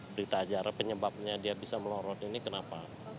berita acara penyebabnya dia bisa melorot ini kenapa